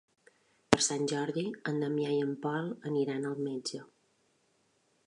Per Sant Jordi en Damià i en Pol aniran al metge.